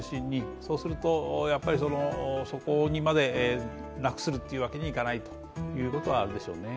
そうするとそこにまでなくすわけにいかないということはあるでしょうね。